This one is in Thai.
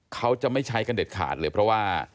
เขาจะไม่ใช้กันเด็ดขาดเลยเพราะว่า